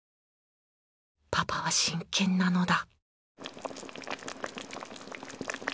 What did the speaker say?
パパは真剣なのだ。